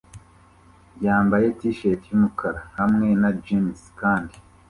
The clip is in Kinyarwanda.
yambaye t-shati yumukara hamwe na jans kandi